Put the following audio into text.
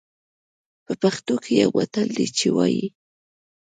په پښتو کې يو متل دی چې وايي.